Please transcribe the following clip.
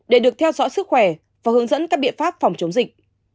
để được theo dõi sức khỏe và hướng dẫn các biện pháp phòng chống dịch